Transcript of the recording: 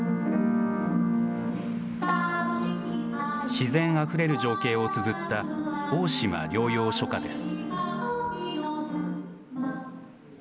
自然あふれる情景をつづった、大島療養所歌です。